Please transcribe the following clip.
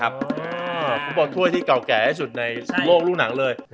ฟุตบอลถ้วยที่เก่าแก่ที่สุดในโลกลูกหนังเลย